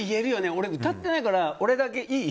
俺、歌ってないから俺だけいい？